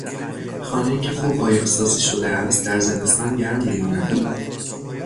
خانهای که خوب عایق سازی شده است در زمستان گرم میماند.